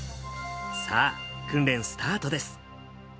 さあ、訓練スタートです。